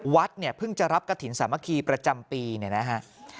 เนี่ยเพิ่งจะรับกระถิ่นสามัคคีประจำปีเนี่ยนะฮะ